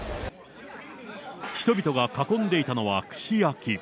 人々が囲んでいたのは串焼き。